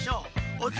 おっ。